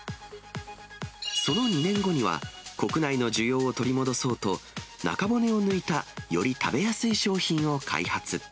その２年後には、国内の需要を取り戻そうと、中骨を抜いた、より食べやすい商品を開発。